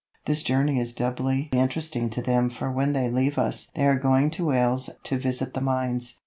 This journey is doubly interesting to them for when they leave us they are going to Wales to visit the mines.